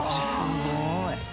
すごい。